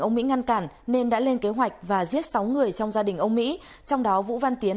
ông mỹ ngăn cản nên đã lên kế hoạch và giết sáu người trong gia đình ông mỹ trong đó vũ văn tiến